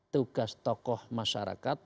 tugas tokoh masyarakat